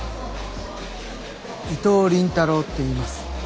伊藤倫太郎って言います。